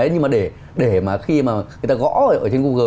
nhưng mà để khi mà người ta gõ ở trên google